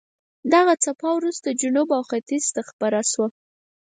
دغه څپه وروسته جنوب او ختیځ ته خپره شوه.